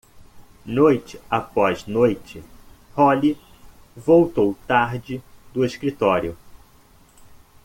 Noite após noite, Holly voltou tarde do escritório.